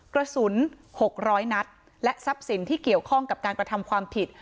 กระสุน๖๐๐นัดและทรัพย์สินที่เกี่ยวข้องกับการกระทำความผิด